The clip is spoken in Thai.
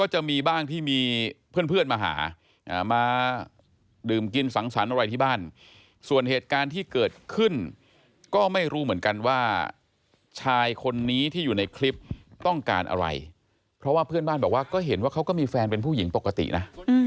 จะมีบ้างที่มีเพื่อนมาหามาดื่มกินสังสรรค์อะไรที่บ้านส่วนเหตุการณ์ที่เกิดขึ้นก็ไม่รู้เหมือนกันว่าชายคนนี้ที่อยู่ในคลิปต้องการอะไรเพราะว่าเพื่อนบ้านบอกว่าก็เห็นว่าเขาก็มีแฟนเป็นผู้หญิงปกตินะ